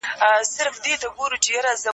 زده کړې نجونې رښتينولي پياوړې کوي.